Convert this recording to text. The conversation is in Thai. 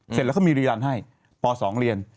เสร็จแล้วเขามีรีรันดิ์ให้ป๒เรียน